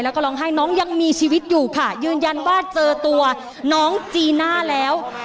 แล้วก็ร้องไห้น้องยังมีชีวิตอยู่ค่ะยืนยันว่าเจอตัวน้องจีน่าแล้ว